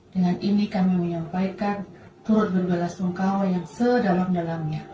dengan ini kami menyampaikan turut berbalas engkau yang sedalam dalamnya